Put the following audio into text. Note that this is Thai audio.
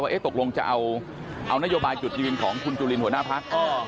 ตกลงจะเอานโยบายจุดยืนของคุณจุลินหัวหน้าพัก